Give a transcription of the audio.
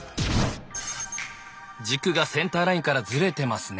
軸がセンターラインからズレてますね。